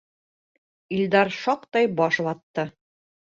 Илдар шаҡтай баш ватты.